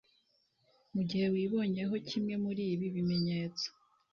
Mu gihe wibonyeho kimwe muri ibi bimenyetso